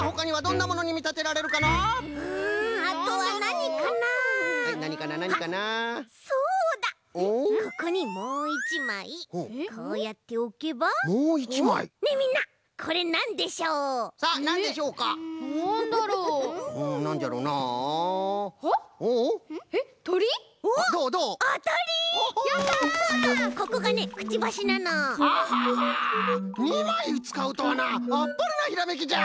アハハ２まいつかうとはなあっぱれなひらめきじゃ！